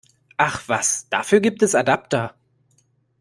Ach was, dafür gibt es Adapter!